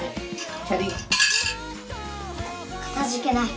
かたじけない。